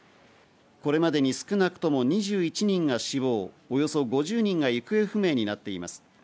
これまでに少なくとも２１人が死亡、およそ５０人が行方不明になっています。